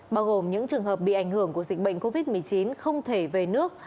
bao gồm những trường hợp bị ảnh hưởng của dịch bệnh covid một mươi chín không thể về nước